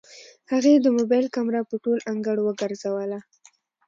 هغې د موبايل کمره په ټول انګړ وګرځوله.